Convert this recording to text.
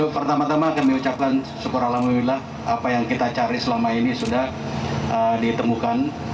pertama tama kami ucapkan syukur alhamdulillah apa yang kita cari selama ini sudah ditemukan